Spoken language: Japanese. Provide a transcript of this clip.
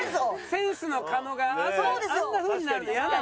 センスの加納があんなふうになるの嫌なのよ。